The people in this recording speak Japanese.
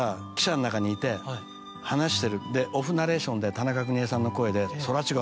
オフナレーションで田中邦衛さんの声で。